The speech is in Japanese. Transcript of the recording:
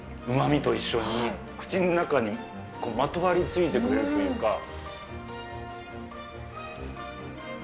うまみと一緒に口の中にまとわりついてくれるというか。